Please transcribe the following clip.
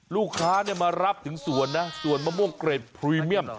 ลูกค้ามารับถึงสวนนะสวนมะม่วงเกร็ดพรีเมียม